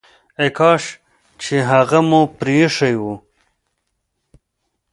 ای کاش چي هغه مو پريښی وو!